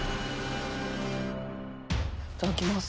いただきます。